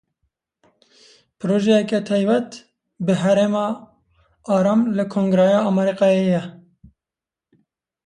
Projeyeke taybet bi Herêma Aram li Kongreya Amerîkayê ye.